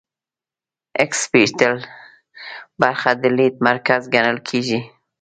اکسیپیټل برخه د لید مرکز ګڼل کیږي